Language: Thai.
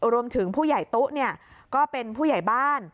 รวมถึงผู้ใหญ่ตุ๊ก็เป็นผู้ใหญ่บ้าน